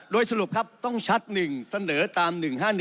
โดยสรุปครับต้องชัด๑เสนอตาม๑๕๑